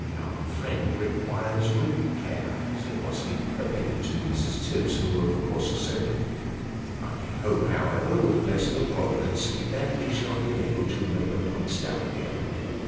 " Our friend requires great caro," said Wosky, appealing to Mrs. Tibbs, who of course assented. " I hope, however, with the blessing of Providence, that we shall be enabled to make her quite stout again."